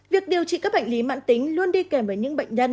việc điều trị các bệnh lý mạng tính luôn đi kèm với những bệnh nhân